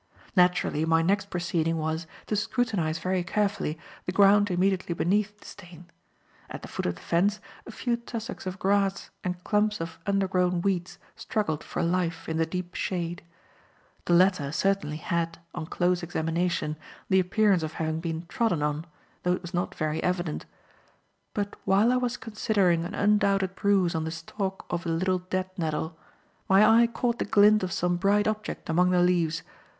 Naturally, my next proceeding was to scrutinize very carefully the ground immediately beneath the stain. At the foot of the fence, a few tussocks of grass and clumps of undergrown weeds struggled for life in the deep shade. The latter certainly had, on close examination, the appearance of having been trodden on, though it was not very evident. But while I was considering an undoubted bruise on the stalk of a little dead nettle, my eye caught the glint of some bright object among the leaves.